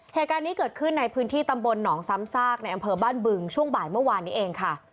เหตุการณ์นี้เกิดขึ้นในพื้นที่ตำบลหนองซ้ำซากในอำเภอบ้านบึงช่วงบ่ายเมื่อวานนี้เองค่ะ